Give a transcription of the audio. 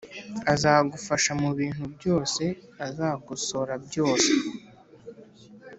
azagufasha mubintu byose, azakosora byose